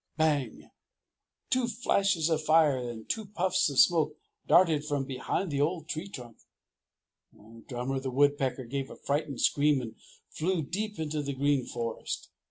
Bang! Two flashes of fire and two puffs of smoke darted from behind the old tree trunk. Drummer the Woodpecker gave a frightened scream and flew deep into the Green Forest.